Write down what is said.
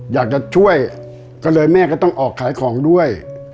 อยากจะช่วยก็เลยแม่ก็ต้องออกขายของด้วย